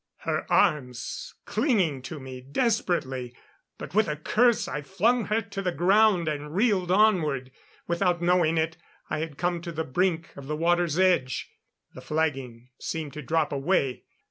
Her arms clinging to me desperately; but with a curse I flung her to the ground and reeled onward. Without knowing it, I had come to the brink of the water's edge. The flagging seemed to drop away.